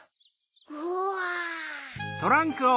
うわ！